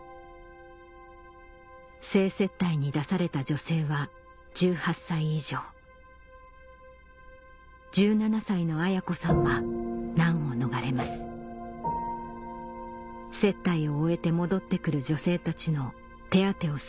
性接待に出された女性は１８歳以上１７歳の綾子さんは難を逃れます接待を終えて戻って来る女性たちの手当てをする役に回りました